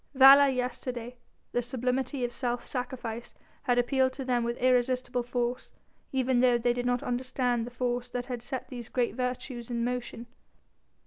Valour yesterday, the sublimity of self sacrifice, had appealed to them with irresistible force, even though they did not understand the force that had set these great virtues in motion.